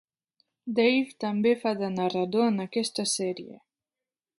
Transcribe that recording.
Dave també fa de narrador en aquesta sèrie.